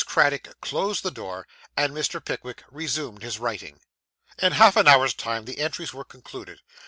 Craddock closed the door, and Mr. Pickwick resumed his writing. In half an hour's time the entries were concluded.